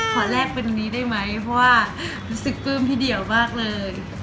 แลกเป็นตรงนี้ได้ไหมเพราะว่ารู้สึกปลื้มพี่เดี่ยวมากเลย